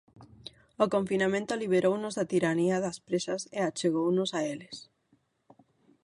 O confinamento liberounos da tiranía das présas e achegounos a eles.